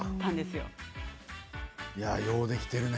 よう、できているね。